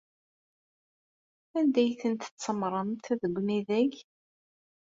Anda ay tent-tsemmṛemt deg umidag?